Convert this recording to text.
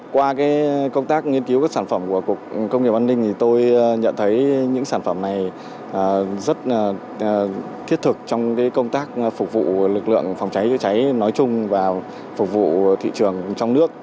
qua công tác nghiên cứu các sản phẩm của cục công nghiệp văn ninh thì tôi nhận thấy những sản phẩm này rất thiết thực trong công tác phục vụ lực lượng phòng cháy chữa cháy nói chung và phục vụ thị trường trong nước